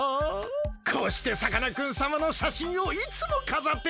こうしてさかなクンさまのしゃしんをいつもかざってるんです。